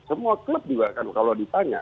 semua klub juga kan kalau ditanya